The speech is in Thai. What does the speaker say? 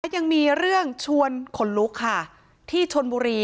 ยังมีเรื่องชวนขนลุกค่ะที่ชนบุรี